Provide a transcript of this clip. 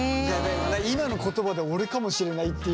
今の言葉で俺かもしれないっていうちょっと。